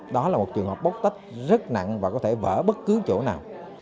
đó là một trường hợp bóc tách rất nặng và có thể vỡ bất cứ chỗ nào